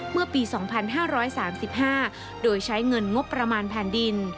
เมื่อปี๒๕๓๕โดยใช้เงินงบประมาณแผ่นดิน